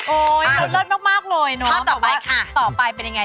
โอ้ยเอาวิทย์เลิศมากเลยเนาะถ้าต่อไปค่ะน้องบอกว่าต่อไปเป็นอีกไง